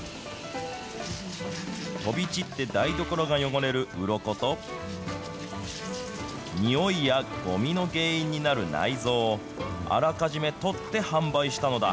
飛び散って台所が汚れるうろこと、臭いやごみの原因になる内臓をあらかじめ取って販売したのだ。